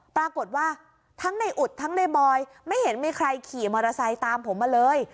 ปรากฏว่าทั้งในอุดทั้งในบอยไม่เห็นมีใครขี่มอเตอร์ไซค์ตามผมมาเลย